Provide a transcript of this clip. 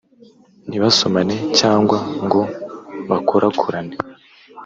ntibasomane cyangwa ngo bakorakorane